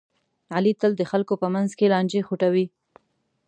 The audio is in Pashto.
علي تل د خلکو په منځ کې لانجې خوټوي.